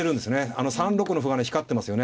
あの３六の歩がね光ってますよね。